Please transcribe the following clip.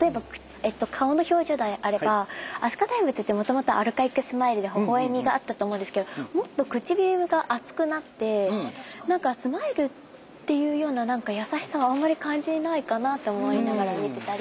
例えば顔の表情であれば飛鳥大仏ってもともとアルカイックスマイルでほほ笑みがあったと思うんですけどもっと唇が厚くなってスマイルっていうような何か優しさをあんまり感じないかなと思いながら見てたり。